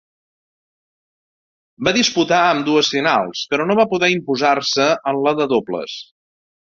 Va disputar ambdues finals però no va poder imposar-se en la de dobles.